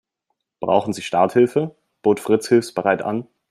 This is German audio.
"Brauchen Sie Starthilfe?", bot Fritz hilfsbereit an.